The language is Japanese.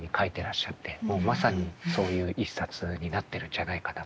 もうまさにそういう一冊になってるんじゃないかなと。